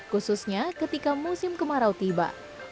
khususnya ketika musim kemarau tiba